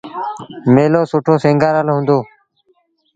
ميلو سُٺو سيٚݩگآرل هُݩدو۔